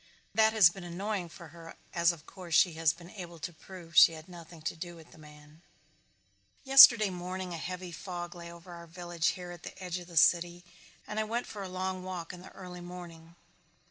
That has been annoying for her, as of course she has been able to prove she had nothing to do with the man. Yesterday morning a heavy fog lay over our village here at the edge of the city and I went for a long walk in the early morning.